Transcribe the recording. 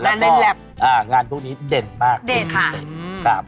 แล้วก็งานพวกนี้เด่นมากขึ้นที่สุด